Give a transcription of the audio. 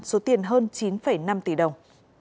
số tiền hơn chín năm tỷ đồng